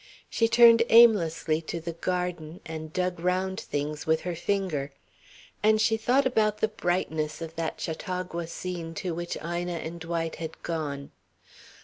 She turned aimlessly to the garden and dug round things with her finger. And she thought about the brightness of that Chautauqua scene to which Ina and Dwight had gone.